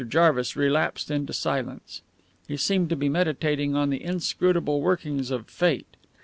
Jarvis relapsed into silence. He seemed to be meditating on the inscrutable workings of Fate.